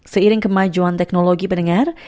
seiring kemajuan teknologi pendengar